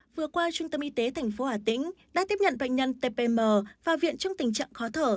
vừa qua trung tâm y tế tp hà tĩnh đã tiếp nhận bệnh nhân tpm vào viện trong tình trạng khó thở